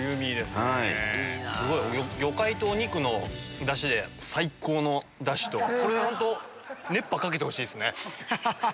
すごい！魚介とお肉のダシで最高のダシと本当熱波かけてほしいですね。